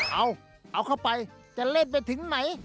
เอาเอาเข้าไปจะเล่นไปถึงไหน